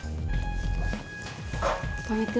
makasih kalau gitu mak